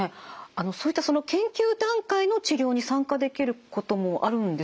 そういった研究段階の治療に参加できることもあるんですよね？